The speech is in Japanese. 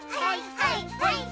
はいはい！